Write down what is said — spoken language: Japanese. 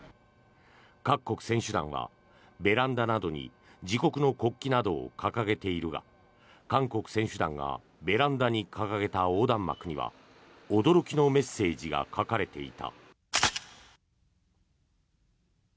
各国選手団はベランダなどに自国の国旗などを掲げているが韓国選手団がベランダに掲げた横断幕には驚きのメッセージが書かれていた。